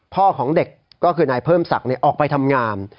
พ่อของเด็กก็คือนายเพิ่มศักดิ์ออกไปทำงาน